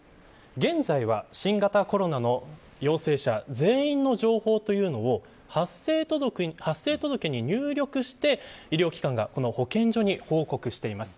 現在は新型コロナの陽性者全員の情報を発生届に入力して医療機関が保健所に報告しています。